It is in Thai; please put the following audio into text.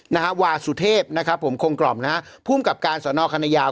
นะฮะวาสุเทพนะครับผมคงกรอบนะฮะผู้กรรมกรรมการสอนอคันยาว